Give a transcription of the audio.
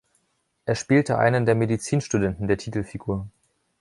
Er spielte einen der Medizinstudenten der Titelfigur.